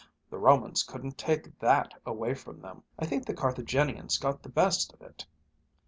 The Romans couldn't take that away from them! I think the Carthaginians got the best of it!"